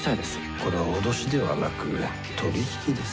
これは脅しではなく取引です